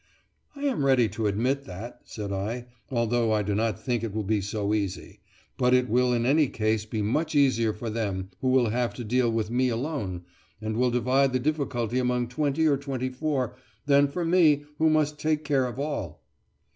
"I am ready to admit that," said I, "although I do not think it will be so easy; but it will in any case be much easier for them, who will have to deal with me alone, and will divide the difficulty among twenty or twenty four, than for me, who must take care of all."